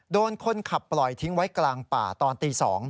โดนคนขับปล่อยทิ้งไว้กลางป่าตอนตี๒